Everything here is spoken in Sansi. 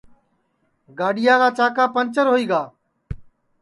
گاڈؔؔیا کا چاکا پنٚجر ہوئی گا